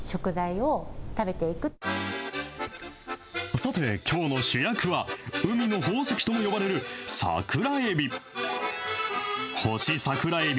さて、きょうの主役は、海の宝石とも呼ばれる桜えび。